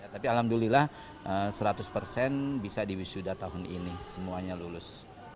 tapi alhamdulillah seratus persen bisa di wisuda tahun ini semuanya lulus